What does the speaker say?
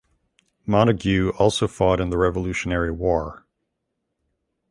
Montague also fought in the Revolutionary War.